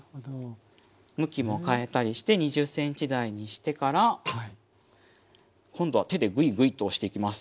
向きも変えたりして２０ｃｍ台にしてから今度は手でグイグイと押していきます。